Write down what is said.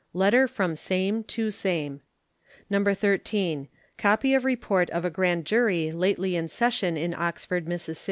Letter from same to same. No. 13. Copy of report of a grand jury lately in session in Oxford, Miss.